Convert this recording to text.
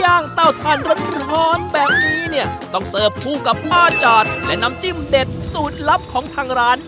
เต้าทานร้อนร้อนแบบนี้เนี่ยต้องเสิร์ฟคู่กับป้าจานและน้ำจิ้มเด็ดสูตรลับของทางร้าน